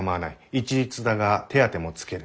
一律だが手当もつける。